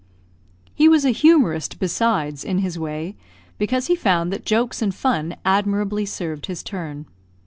He was a humorist, besides, in his way, because he found that jokes and fun admirably served his turn.